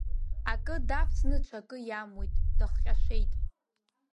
Акы давсны, ҽакы иамуит, дахҟьашеит.